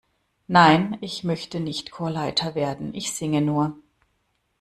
Nein, ich möchte nicht Chorleiter werden, ich singe nur.